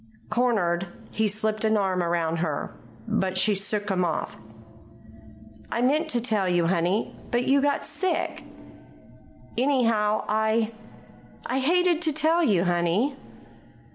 Cornered, he slipped an arm around her. But she shook him off. "I meant to tell you, honey; but you got sick. Anyhow, I I hated to tell you, honey."